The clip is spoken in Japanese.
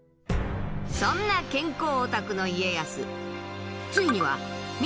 そんな健康オタクの家康。